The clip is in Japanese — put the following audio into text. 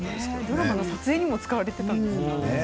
ドラマの撮影にも使われていますね。